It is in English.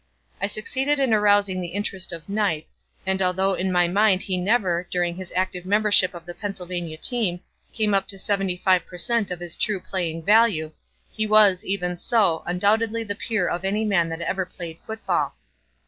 I succeeded in arousing the interest of Knipe, and although in my mind he never, during his active membership of the Pennsylvania team, came up to 75 per cent. of his true playing value, he was, even so, undoubtedly the peer of any man that ever played football.